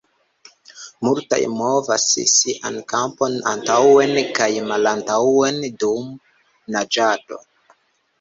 Multaj movas sian kapon antaŭen kaj malantaŭen dum naĝado.